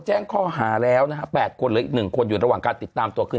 แจ้งข้อหาแล้วนะ๘คนหรือ๑คนอยู่ระหว่างการติดตามตัวคือ